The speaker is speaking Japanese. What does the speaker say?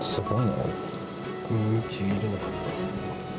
よく耳、ちぎれなかったですね。